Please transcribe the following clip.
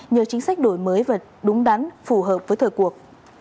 nhờ chính sách đổi mới và đúng đắn phù hợp với thời cuộc